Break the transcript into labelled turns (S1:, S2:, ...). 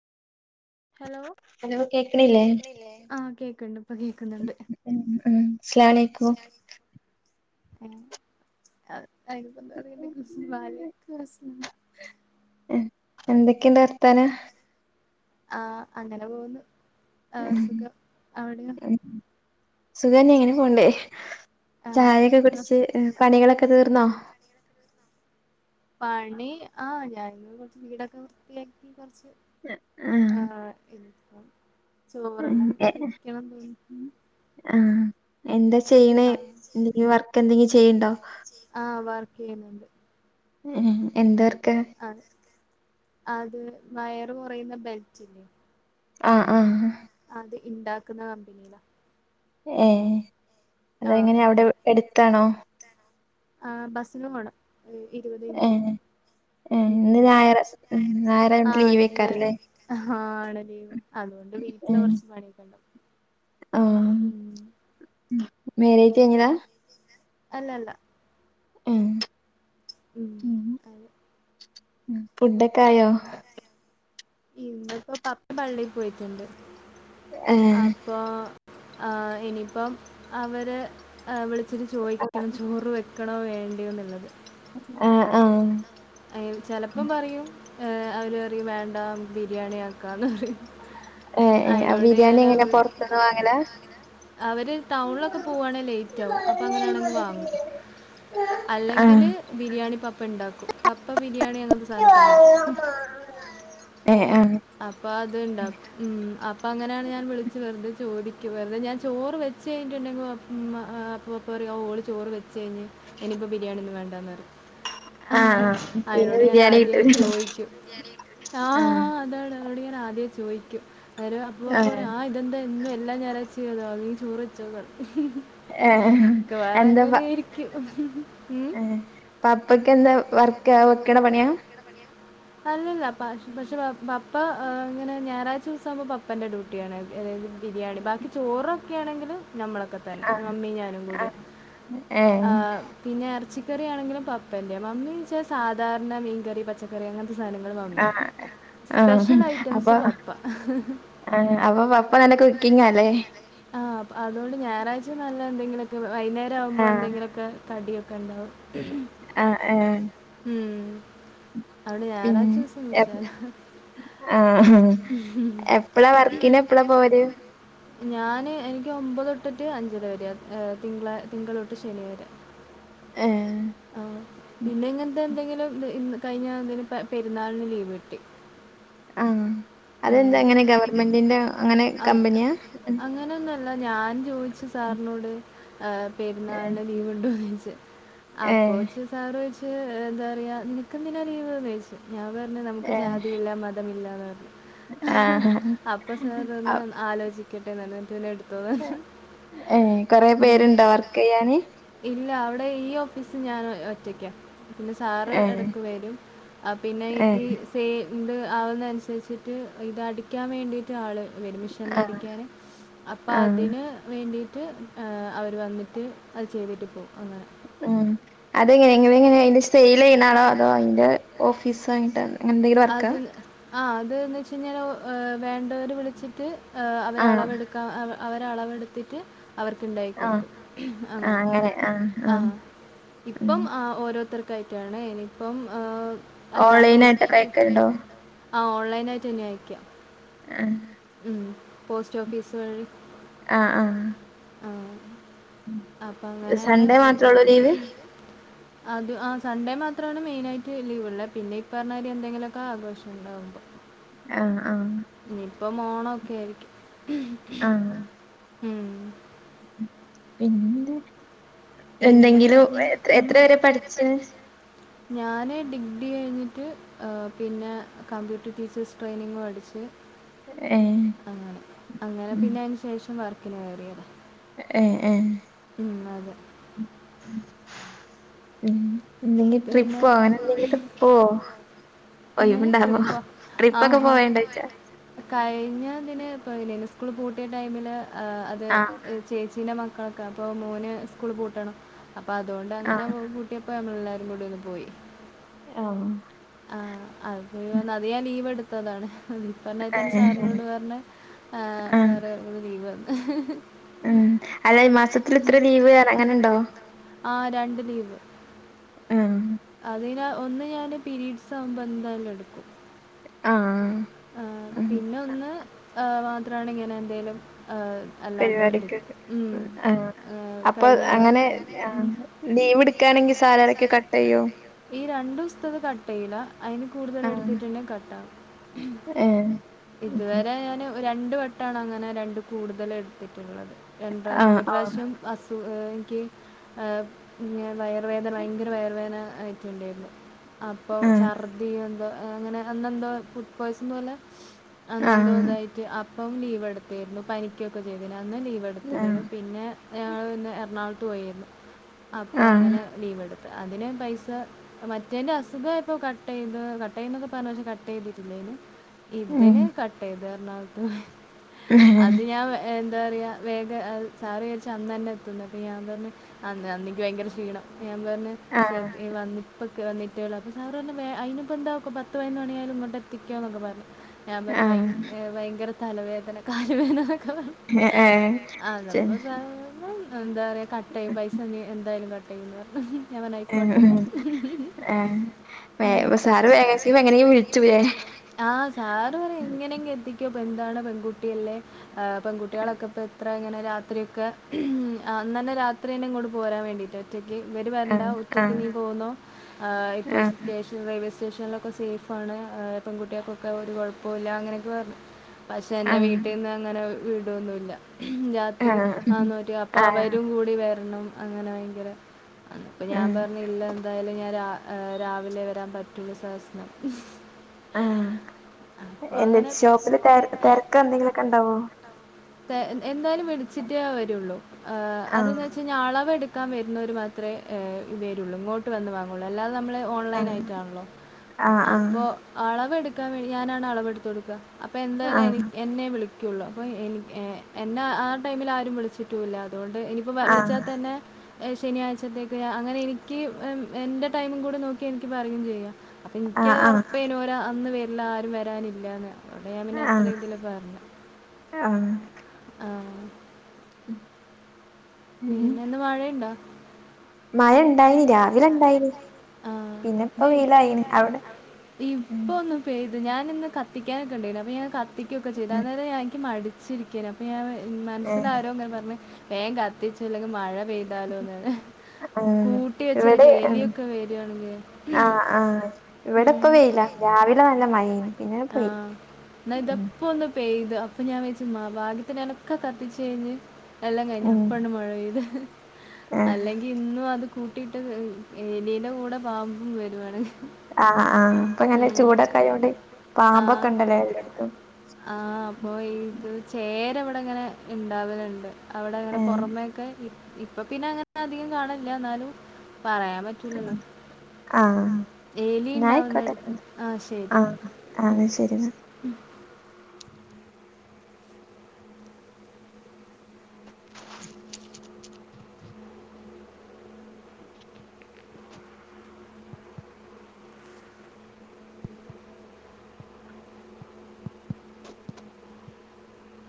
S1: Hello
S2: hello കേക്കണില്ലേ
S1: കേക്ക്ണില്ലേ? ആഹ് കേക്കണ്ട് കേക്കുന്നുണ്ട്
S2: ഉം ഉം അസ്സലാമലൈക്കും
S1: അയിനിപ്പോ എന്താ വേണ്ടേ [unintelligible]
S2: എന്തൊക്കെയ്ണ്ട് വർത്താന?
S1: ആഹ് അങ്ങനെ പോകുന്നു ആഹ്
S2: ഉം
S1: സുഖം അവിടെയോ
S2: ഉം സുഖന്നേ. ഇങ്ങനെ പോൺണ്ട്. ചായൊക്കെ
S1: ആഹ്
S2: കുടിച്ച്. ഏഹ് പണികളൊക്കെ തീർന്നോ?
S1: പണി. ആഹ് ഞാനിന്ന് കൊറച്ച് വീടൊക്കെ വൃത്തിയാക്കി കൊറച്ച് ആഹ്
S2: ഉം
S1: ചോറെല്ലാം
S2: എ
S1: വെക്കണം [unintelligible]
S2: ആഹ് എന്താ ചെയ്യ്ണേ?
S1: ആഹ്
S2: എന്തെങ്കിലും വർക്ക് എന്തെങ്കിലും ചെയ്യ്ണ്ടോ?
S1: ആഹ് വർക്ക് ചെയ്യുന്നുണ്ട്
S2: ഏഹ് എന്ത് വർക്കാ?
S1: ആഹ് അത് വയറ് കൊറയുന്ന ബെൽറ്റ്
S2: ആഹ് ആഹ്
S1: അത് ഇണ്ടാക്കുന്ന കമ്പനി
S2: ഏഹ് അത് എങ്ങനെ
S1: ആഹ്
S2: അവിടെ എടുത്താണോ?
S1: ആഹ് ബസ്സിന് പോണം ഇരുവത് മിനിറ്റ്.
S2: ഏഹ് ഏഹ് ഇന്ന്
S1: ഉം അതെ.
S2: ഞായർ ഉം ഞായറായോണ്ട്
S1: ആഹ് ഇന്ന്
S2: ലീവേക്കാരല്ലേ
S1: ആഹ് ആണല്ലേ. അതുകൊണ്ട് വീട്ടിലെ
S2: ഉം
S1: കൊറച്ച് പണി ഉം
S2: മേരേജഴിഞ്ഞതാ?
S1: അല്ലല്ല
S2: ഉം
S1: ഉം അതെ
S2: ഉം ഫുഡൊക്ക ആയോ
S1: പിന്നെ ഇന്നിപ്പോ പപ്പ പള്ളിയിൽ പോയിട്ടുണ്ട്
S2: ഏഹ്
S1: ആഹ് ഇപ്പോൾ ഇനിപ്പം അവര് വിളിച്ചിട്ട് ചോദിക്കണം ചോറ് വെക്കണോ വേണ്ടിയോന്നുള്ളത്
S2: ആഹ് ആഹ്
S1: ആഹ് ചിലപ്പം പറയും ഏഹ് അവര് പറയുംവേണ്ട ബിരിയാണി ആകാന്
S2: ഏഹ് ഏഹ് അ
S1: അയിനോണ്ട്
S2: ബിരിയാണി
S1: ഞാൻ
S2: എങ്ങനെ പൊറത്ത്ന്ന്
S1: [unintelligible]
S2: വാങ്ങലാ
S1: അവര് ടൗണിലൊക്കെ പോവുവാണെങ്കിൽ ലേറ്റ് ആകും അപ്പൊ അങ്ങനെയാണെങ്കിൽ വാങ്ങും
S2: ആഹ്
S1: അല്ലെങ്കില് ബിരിയാണി പപ്പ ഉണ്ടാക്കും പപ്പ ബിരിയാണി അങ്ങനത്തെ സാധനമൊക്കെ ഇണ്ടാക്കും
S2: ഏഹ് ആഹ്
S1: അപ്പൊ അതുണ്ടാ ഉം അപ്പൊ അങ്ങനെയാണ് ഞാൻ വിളിച്ചു വെറുതെ ചോദിക്കും വെറുതെ ഞാൻ ചോറ് വെച്ച് കഴിഞ്ഞട്ടുണ്ടെങ്കിൽ [unintelligible] അപ്പോൾ പറയും ഓള് ചോറ് വെച്ച് കഴിഞ്ഞ് ഇനിയിപ്പോൾ ബിരിയാണിൽ വേണ്ടാന്ന് പറയും
S2: ആഹ് ആഹ് പിന്നെ
S1: അയിനോട് ഞാൻ
S2: ബിരിയാണി
S1: ആദ്യ
S2: കിട്ടൂലേ
S1: ചോദിക്കും ബിരിയാണി ആഹ് എന്തോട് അവരോട് ആദ്യേ ചോദിക്കും അവർ അപ്പ ആഹ് ഇതെന്താ എന്നും എല്ലാ ഞായറാഴ്ച അതോ നീ ചോറ് വച്ചോന്ന് പറയും
S2: ഏഹ്
S1: വേറെ
S2: എന്താ പ
S1: അങ്ങനെയിരിക്കും ഉം
S2: പപ്പക്ക് എന്താ വർക്ക് വെക്കണ പണിയാ
S1: അല്ലല്ല പ പക്ഷെപ്പ ഇങ്ങനെ ഞായറാഴ്ച അവധി ദിവസങ്ങളാവുമ്പോൾ പപ്പന്റെ ഡ്യൂട്ടിയാണ് അതായത് ബിരിയാണി ബാക്കി ചോറൊക്കെ ആണെങ്കിൽ നമ്മളൊക്കെ തന്നെ
S2: ആഹ്
S1: മമ്മി ഞാനും കൂടി
S2: ആഹ് ഏഹ്
S1: ആഹ് പിന്നെ ഇറച്ചിക്കറി ആണെങ്കിലും പപ്പന്റെ മമ്മീന്ന് വെച്ചാൽ സാധാരണ മീൻകറി പച്ചക്ക കറി അങ്ങനത്തെ സാധനങ്ങൾ വാങ്ങുവേ
S2: ആഹ് ആഹ് അപ്പൊ
S1: അപ്പൊ
S2: ആഹ് അപ്പൊ പപ്പ നല്ല കുക്കിങ്ങല്ലേ
S1: ആഹ് അതുകൊണ്ട് ഞായറാഴ്ച നല്ല എന്തെങ്കിലൊക്കെ വൈകുന്നേം ആകുമ്പോ
S2: ആഹ്
S1: എന്തെങ്കിലും കടിയൊക്കെ ഉണ്ടാവും
S2: ആഹ് ആഹ്
S1: ഉം അത്കൊണ്ട്
S2: പിൻ
S1: ഞായറാഴ്ച ദിവസം
S2: എപ്
S1: കുശലാ
S2: ആഹ് എപ്പളാ വർക്കിന് എപ്പളാ പോല്
S1: ഞാന് എനിക്ക് ഒമ്പത തൊട്ട്ട്ട് അഞ്ചര വരെ തിങ്ക തിങ്കൾ തൊട്ട് ശനി വരെ
S2: ഏഹ്
S1: ആഹ് പിന്നെങ്ങനെ ഇന്ന് എന്തെങ്കിലും ഇന്ന് കഴിഞ്ഞാൽ എന്തെങ്കിലും പെരുന്നാളിന് ലീവ് കിട്ടി
S2: ആഹ്
S1: ആഹ്.
S2: അതെന്താ എങ്ങനെ ഗവൺമെന്റിന്റെ അങ്ങനെ കമ്പനിയാ
S1: അങ്ങനൊന്നല്ല ഞാൻ ചോദിച്ചു സാറിനോട്
S2: ഏഹ്
S1: പെരുന്നാളിന് ലീവുണ്ടോ ചെയ്യിച്ച് ആപ്പോ
S2: ഏഹ്
S1: സാറ് ചോദിച്ച് എന്താ പറയുക നിനക്കെന്തിനാണ് ലീവെന്ന് ചോദിച്ചു ഞാൻ പറഞ്ഞ് നമുക്ക്
S2: ഏഹ്
S1: ജാതിയില്ല മതം ഇല്ലാന്ന് പറഞ്ഞ്
S2: ആഹ്
S1: ആലോചിക്കട്ടെ പറഞ്ഞ് എന്നിട്ട് പിന്നെ എടുത്തോന്ന് പറഞ്ഞു.
S2: ഏഹ് കൊറെ
S1: ഉം.
S2: പേരുണ്ടോ വർക്ക് ചെയ്യാന്
S1: ഇല്ല അവിടെ ഈ ഓഫീസിൽ ഞാൻ ഒറ്റയ്ക്ക പിന്നെ സാറ്
S2: ഏഹ്
S1: ഇടക്ക് വരും പിന്നെ ഈ
S2: ഏഹ്
S1: പെയിൻ്റ് ആവുന്നനുസരിച്ചിട്ട് ഇതടിക്കാൻ വേണ്ടിയിട്ട് ആൾ വരും [unintelligible] [unintelligible]
S2: ആഹ്
S1: അടിക്കാൻ അപ്പം
S2: ആഹ്
S1: അതിന് വേണ്ടിയിട്ട് ആഹ് അവർ വന്നിട്ട് അത് ചെയ്തിട്ട് പോവും അങ്ങനെ
S2: ഉം അതെങ്ങനെ എങ്ങനങ്ങനെ അതിന്റെ സെയിൽ ചെയ്യണാണോ അതോ അതിന്റെ ഓഫീസാ [unintelligible]
S1: അത് ആ അത്ന്ന് വെച്ച കഴിഞ്ഞാൽ വേണ്ടവര് വിളിച്ചിട്ട് ഏഹ് അവരെ
S2: ആഹ്
S1: അളവടുക്കാം അവരളവെടുത്തിട്ട് അവർക്ക് ണ്ടാക്കി
S2: ആഹ്
S1: കൊടുക്കും. അങ്ങനെ. ആഹ്
S2: ഉം
S1: ഇപ്പം ആഹ് ഓരോരുത്തർ ക്കായ്റ്റാണ് ഇനിയിപ്പം ഏഹ് അല്ലാണ്ട് ഓസ്പി
S2: ട്ട് ണ്ടോ
S1: ആഹ് ഓൺലൈനായിറ്റന്നെ അയക്ക്യാ.
S2: എഹ്
S1: ഉം പോസ്റ്റ് ഓഫീസ് വഴി
S2: ആഹ് ആഹ്
S1: അപ്പ അങ്ങനേണ്.
S2: സൺഡേ
S1: സൺഡെ
S2: മാത്രേള്ളൂ
S1: മാത്രൊള്ളു ലീവ്? അത് ആഹ് സൺഡേ മാത്രാണ് മെയിനായിട്ട് ലീവ് ഇള്ളെ. പിന്നെ ഇപ്പറഞ്ഞ മാതിരി എന്തെങ്കിലൊക്കെ ആഘോഷം ഉണ്ടാവുമ്പം
S2: ആഹ് ആഹ്
S1: ഇനിയിപ്പം ഓണ ഒക്കെ ആയിരിക്കും.
S2: ആഹ്
S1: ഉം
S2: പിന്നെ [unintelligible]
S1: പിന്നെ
S2: എന്തെങ്കിലും എത്ര വെരെ പഠിച്ച്?
S1: ഞാന് ഡിഗ്രി കഴിഞ്ഞിട്ട് ഏഹ് പിന്നെ കമ്പ്യൂട്ടർ ടീച്ചേഴ്സ് ട്രെയിനിങ് പഠിച്ച്
S2: ഏഹ്
S1: അങ്ങനെ. അങ്ങനെ
S2: ഉം
S1: പിന്നെ അയ്ന് ശേഷം വർക്കിന് കയറിയതാ.
S2: എഹ് എഹ്
S1: ഉം അതെ
S2: ഉം എന്തെങ്കി
S1: പിന്നെ
S2: ട്രിപ്പൊ അങ്ങൻ എന്തെങ്കിലൊക്കെ പോവോ?
S1: എങ്ങനെ
S2: ഒയിവ്ണ്ടാവോ?
S1: ട്രിപ്പ്
S2: ട്രിപ്പ് ഒക്കെ പോവേണ്ടോയ്ച്ചാ
S1: കഴിഞ്ഞ ഇതിന് ഇപ്പ [unintelligible] സ്കൂള് പൂട്ടിയ ടൈമില് അത്
S2: ആഹ്
S1: ചേച്ചീന്റെ മക്കളൊക്കെ അപ്പൊ മോന് സ്കൂള് പൂട്ടണം. അപ്പൊ അതുകൊണ്ട് അങ്ങനെ
S2: ആഹ്
S1: പു പൂ ട്ട്യപ്പം നമ്മളെല്ലാരും കൂടി ഒന്ന് പോയി.
S2: ആഹ്
S1: ആഹ് അത് വന്ന് അത് ഞാൻ ലീവ് എടുത്തതാണ് ഇപ്പർഞ്ഞായിരി തന്നെ
S2: ഏഹ്
S1: സാറിനോട് പർന് ഏഹ്
S2: ആഹ്
S1: സാറ് ഒരു ലീവ് തന്ന്.
S2: ഉം അ അല്ലാ ഈ മാസത്തിൽ ഇത്ര ലീവ് അർഞ് അങ്ങനെണ്ടോ
S1: ആഹ് രണ്ട് ലീവ്
S2: ആഹ്
S1: അതിന് ഒന്ന് ഞാന് പിരീഡ്സാവുമ്പം എന്തായാലും എടുക്കും
S2: ആഹ്
S1: ഏഹ്
S2: ഉം
S1: പിന്നെ ഒന്ന് ഏഹ് മാത്രാണ് ഇങ്ങനെ എന്തെലും ഏഹ്
S2: പരിപാടിക്കൊകെ ആഹ്
S1: ആ,
S2: അപ്പൊ
S1: കഴിഞ്ഞ
S2: അങ്ങനെ
S1: ദിവസം
S2: ആഹ്
S1: ഉം.
S2: ലീവ് ഇട്ക്കാണെങ്കി സാലറിക്കെ കട്ടെയ്യോ?
S1: ഈ രണ്ടുസ്തത് കട്ടെയ്യൂല്ല. അയിന് കൂടുതൽ
S2: ആഹ്
S1: എടുത്തിട്ടുണ്ടെ കട്ട് ആവും. ഉം
S2: ഏഹ് ഹ്മ്മ്.
S1: ഇതുവരെ ഞാന് രണ്ട് വട്ടാണ് അങ്ങനെ രണ്ട് കൂടുതല് എടുത്തിട്ടുള്ളത്. രണ്ട്
S2: ആ,
S1: റാശ്യം. ഒരു
S2: ആ.
S1: റാശ്യം അസു ഇൻക്ക് ഇങ്ങനെ വയറ് വേദന ഭയങ്കര വയറുവേദന ആയിറ്റ്ണ്ടേര്ന്നു. അപ്പ
S2: ആ.
S1: ഛർദി എന്തോ അങ്ങനെ അന്നെന്തോ ഫുഡ് പോയ്സൺ പോലെ
S2: ആ.
S1: അന്നെന്തോ ഇതായിറ്റ് അപ്പം ലീവ് എടുത്തീര്ന്നു. പനിക്കൊക്കെ ചെയ്തിന്. അന്ന് ലീവ്
S2: ആ.
S1: എട്ത്ത്ണ്ടേനു. പിന്നെ ഞങൾ പിന്നെ എറണാകുളത്ത് പോയിന്നു. അപ്പം
S2: ആ.
S1: അങ്ങനെ ലീവ് എട് ത്ത് അതിന് പൈസ മറ്റേന്റെ അസുഖം ആയപ്പോ കട്ട് ചെയ്ത് കട്ട് ചെയ്യുംന്നൊക്കെ പറഞ്ഞ് പക്ഷെ കട്ട് ചെയ്തിട്ടില്ലേനു മറ്റേന്
S2: ഹ്മ്മ്.
S1: കട്ടെയ്ത് എറണാകുൾത്ത് പോയേന്. അത് ഞാൻ എന്താ പറയാ വേഗ അത് സാറിയാര്ച്ച് അന്നന്നെ എത്തുംന്ന് അപ്പം ഞാൻ പർഞ് അന്ന് അന്ന് ഇൻക്ക് ഭയങ്കര ക്ഷീണം. ഞാൻ പർഞ്
S2: ആ.
S1: സർ വന്നി ഇപ്പ കെ വന്നിട്ടേയുള്ളു. അപ്പം സാറ് പർഞ് വേ അയ്നിപ്പം എന്താ പത്ത് പതിനൊന്ന് മണിയായാലും ഇങ്ങട്ട് എത്തിക്കോന്നൊക്കെ പറഞ്ഞ്. ഞാൻ പറഞ്ഞു
S2: ആ.
S1: ഭയങ്കര തലവേദന കാല് വേദനാ നൊക്കെ പർ
S2: ഏ ഏ,
S1: അങ്ങനെ
S2: ചെ
S1: അത്പ്പെതാ ഞങ്ങള് എന്താ പറയാ കട്ട് ചെയ്യും പൈസ എന്താ എന്തായാലും കട്ട് ചെയ്യുന്ന് പറഞ്ഞു. ഞൻ പറഞ്ഞു
S2: ഹ്മ്മ്.
S1: ആയിക്കോട്ടെന്നറഞ്ഞു
S2: ആ. വേ
S1: ഉം
S2: അപ്പൊ
S1: ഏഹ് സാറ്
S2: മാക്സിമം എങ്ങനെയും വിളിച്ചൂലേ?
S1: [unintelligible] ആഹ് സാറ് പറയും എങ്ങനെയെങ്കിലും കെട്ടിക്കോ ഇപ്പൊ എന്താണ് പെൺകുട്ടിയല്ലേ? ആഹ് പെൺകുട്ടികളൊക്കെ ഇപ്പോ എത്ര ഇങ്ങനെ രാത്രി ഒക്കെ അന്നന്നെ രാത്രിന്നെ ഇങ്ങോട്ട് പോരാൻ വേണ്ടിട്ട്. ഒറ്റയ്ക്ക് ഇവര്
S2: ആ.
S1: വരണ്ട
S2: ആ.
S1: ഒറ്റയ്ക്ക് നീ പോന്നോ ഏഹ് ഇപ്പോ
S2: ആ.
S1: സ്റ്റേഷ റെയിൽവേ സ്റ്റേഷനിലൊക്കെ സേഫ് ആണ് പെൺകുട്ടികൾക്കൊക്കെ ഒരു കൊഴപ്പോല്ല അങ്ങനെയൊക്കെ പറഞ്ഞ്. പക്ഷെ
S2: ആ.
S1: എന്റെ വീട്ടിന്ന് അങ്ങനെ വിടൊന്നുല്ല.
S2: ആ.
S1: രാത്രി
S2: ഉം.
S1: [unintelligible] അപ്പൊ
S2: ആ.
S1: അവരും കൂടി വരണം അങ്ങനെ ഭയങ്കര. അപ്പ
S2: ആ.
S1: ഞാൻ പറഞ്ഞില്ല എന്തായാലും ഞാൻ രാവിലെ വരാൻ പറ്റൂല സഹസനം.
S2: ആഹ് എന്റെ
S1: അങ്ങനെ
S2: ഷോപ്പില് തെരക്ക്‌ തെരക്ക് എന്തെങ്കിലൊക്കെ ഇണ്ടാവോ?
S1: തെ എന്താ എന്തായാലും വിളിച്ചിട്ടേ വരൊള്ളൂ ഏഹ്
S2: ആ.
S1: അതെന്ന് വച്ച. പക്ഷേ അളവ് എടുക്കാൻ വരുന്നവർ മാത്രമേ ഇത് വരുള്ളൂ ഇങ്ങോട്ട് വന്ന് വാങ്ങൊള്ളൂ അല്ലാതെ നമ്മെള്
S2: ആ.
S1: ഓൺലൈൻ ആയിട്ടാണല്ലോ
S2: ആ. ആ.
S1: അപ്പോൾ അളവെടുക്കാൻ വേണ്ടി ഞാനാണ് അളവെടുത്ത് കൊടുക്ക. അപ്പൊ
S2: ആ.
S1: എന്തായാലും എനി എന്നെ വിളിക്കൊള്ളൂ അപ്പൊ എനി ഏഹ് എന്നെ ആ ടൈമില് ആരും വിളിച്ചിട്ടുല്ല അതുകൊണ്ട് ഇനിപ്പോ
S2: ആ.
S1: വിളിച്ചാൽ തന്നെ. ഏഹ് ശനിയായ്ചത്തേക്ക് അങ്ങനെ എനിക്ക് എന്റെ ടൈമും കൂടെ നോക്കി എനിക്ക് പറയും ചെയ്യാം. അപ്പം
S2: ആ.
S1: ഇൻക്കത്
S2: ആ.
S1: ഒറപ്പായിനു ഓര് അന്ന് വരില്ല ആരും വരാനില്ലാന്ന് അതു കൊണ്ടാ ഞാൻ
S2: ആ.
S1: പിന്നെ ഇതില് പറഞ്ഞത്
S2: ആ.
S1: ആഹ്
S2: ഉം
S1: പിന്നെന്ന് മഴയ്ണ്ടോ?
S2: മഴ ഇണ്ടായിനി രാവിലെ ഇണ്ടായിനിം
S1: ആ ഇത്
S2: പിന്നെപ്പം വെയിലായിണ് അവിടെ ഉം
S1: ഇപ്പൊ ഒന്ന് പെയ്ത് ഞാനിന്ന് കത്തിക്കാനൊക്കെണ്ടായിരുന്നു അപ്പൊ ഞാൻ കത്തിക്കൊക്കെ ചെയ്തു അന്നേരം എനിക്ക് മ ടിച്ചിരിക്കയ്നു അപ്പൊ ഞാൻ മനസ്സിലാരോ ങ്ങനെ പറഞ്ഞ് വേഗം കത്തിചോ അല്ലെങ്കിൽ മഴ പെയ്താലോന്ന് ഹ്
S2: ആഹ്
S1: കൂട്ടി
S2: ഇവിടെ
S1: വെച്ചാലെ എലിയൊക്കെ വരാണെങ്കിയെ
S2: ആഹ് ആഹ് ഇവിടെപ്പ വെയില രാവിലെ നല്ല മഴേനി പിന്നെ പോയി.
S1: ഇന്നാ
S2: ഉം
S1: ഇതപ്പോ ഒന്ന് പെയ്തു അപ്പൊ ഞാൻ വെച്ച് മ ഭാഗ്യത്തിനാനൊക്കെ കത്തിച് കഴിഞ്ഞ്. എല്ലാം കഴിഞ്ഞ്
S2: ഉം
S1: അപ്പണ്ട് മഴ പെയ്ത്
S2: ആഹ്
S1: അല്ലെങ്കിൽ ഇന്നും. അത് കൂട്ടിയിട്ട് എലിന്റെ കൂടെ പാമ്പും വരുവാണ്.
S2: ആഹ് ആഹ് ഇപ്പൊ ഇങ്ങനെ ചൂടൊക്കെ ആയോണ്ട് പാമ്പൊക്കെണ്ട്ല്ലേ എല്ലോട്ത്തും.
S1: ആഹ് അപ്പൊ ഇത് ചേരവിടെങ്ങനെ ഇണ്ടാവല്ണ്ട്. അവിടെ ഇങ്ങനെ
S2: ഏഹ്
S1: പൊറമേയൊക്കെ ഇപ്പൊ പിന്നെ അങ്ങനെ അധികം കാണില്ല എന്നാലും പറയാം. പറ്റുലല്ലോ? ആഹ് എലി
S2: എന്നാ ആയിക്കോട്ടെ
S1: ഉണ്ടാവുന്നടുത്ത് ആഹ് ശരി
S2: ആഹ് ആഹ് ശരി എന്നാ